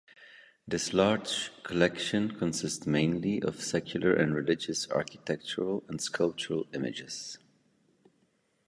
This large collection consists mainly of secular and religious architectural and sculptural images.